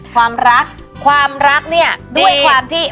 ความรักความรักเนี่ยด้วยความที่